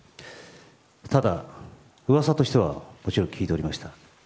ただ、噂としてはもちろん聞いておりました。